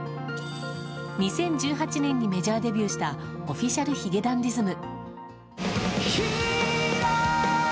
２０１８年にメジャーデビューしたＯｆｆｉｃｉａｌ髭男ｄｉｓｍ。